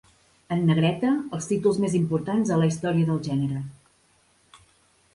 En negreta, els títols més importants en la història del gènere.